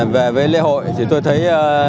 về với lễ hội thì tôi thấy